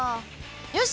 よし！